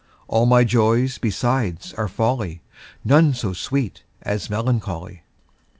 All my joys besides are folly, None so sweet as melancholy.